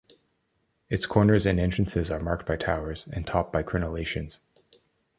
Its corners and entrance are marked by towers, and topped by crenellations.